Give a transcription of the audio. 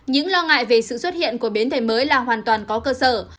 những lo ngại về sự xuất hiện của biến thể mới là hoàn toàn có cơ sở